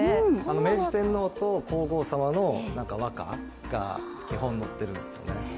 明治天皇と皇后さまの和歌が基本になっているんですね。